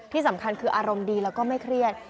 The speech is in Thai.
ที่สำคัญคืออารมณ์ดีแล้วก็ไม่เครียด